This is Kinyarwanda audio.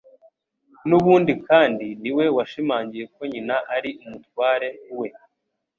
N'ubundi kandi, ni we washimangiye ko nyina ari umutware we.